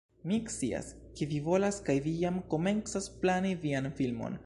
Mi scias, ke vi volas kaj vi jam komencas plani vian filmon